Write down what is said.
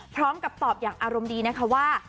พร้อมกับตอบอย่างอารมณ์ดีนะคะว่า